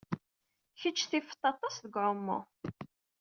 Kecc tifed-t aṭas deg uɛumu.